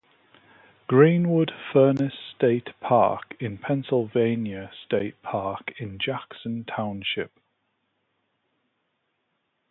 Greenwood Furnace State Park is a Pennsylvania state park in Jackson Township.